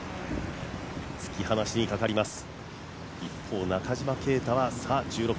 突き放しにかかります。